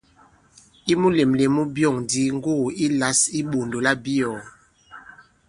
I mulèmlèm mu byɔ̑ŋ kì ndi ŋgugù yi lǎs i iɓɔ̀ndò labyɔ̀ɔ̀.